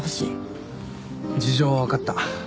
事情は分かった。